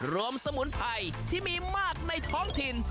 สมุนไพรที่มีมากในท้องถิ่น